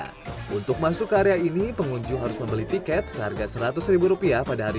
hari dua ribu dua puluh tiga untuk masuk karya ini pengunjung harus membeli tiket seharga seratus rupiah pada hari